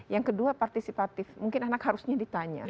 yang kedua partisipatif mungkin anak harusnya ditanya